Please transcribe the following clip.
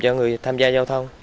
cho người tham gia giao thông